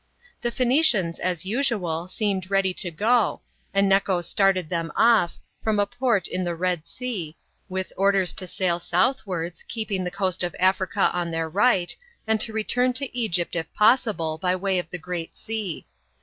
The Phoenicians, as usual, seemed ready to go, and Neco started them off, from a port in the Red Sea, with orders to sail southwards, keeping the coast of Africa on their right, and to return to Egypt if possible by way of the Great Sea.